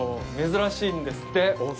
珍しいんですって。